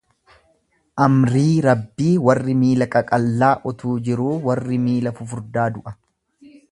Amrii Rabbii! warri miila qaqallaa utuu jiruu warri miila fufardaa du'a.